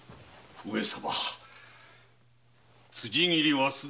上様！